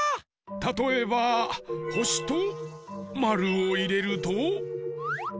たとえばほしとまるをいれると。